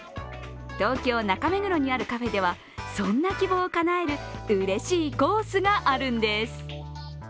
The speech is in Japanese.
東京・中目黒にあるカフェではそんな希望をかなえるうれしいコースがあるんです。